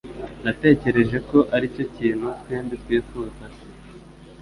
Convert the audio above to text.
Natekereje ko aricyo kintu twembi twifuzaga.